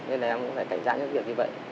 nên là em cũng phải cảnh giác những việc như vậy